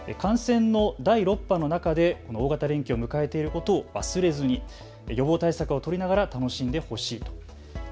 感染の第６波の中でこの大型連休を迎えていることを忘れずに予防対策を取りながら楽しんでほしいと。